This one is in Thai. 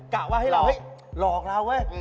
กะว่าให้เราเฮ้ยหลอกเราเว้ย